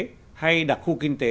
quốc tế hay đặc khu kinh tế v v